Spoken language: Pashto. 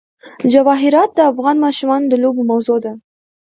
جواهرات د افغان ماشومانو د لوبو موضوع ده.